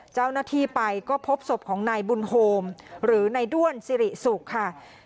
เจ้าหน้าที่ไปก็พบศพของนายบุญโฮมหรือนายด้วนสิริสุกค่ะ